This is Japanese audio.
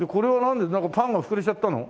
パンが膨れちゃったの？